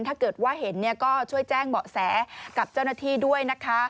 ถ้าเกิดว่าเห็นก็ช่วยแจ้งเบาะแสกับเจ้าหน้าที่ด้วยนะคะ